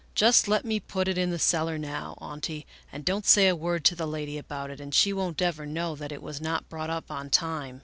Just let me put it in the cellar now. Auntie, and don't say a word to the lady about it and she won't ever know that it was not brought up on time."